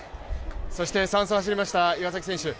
そして３走を走りました岩崎選手。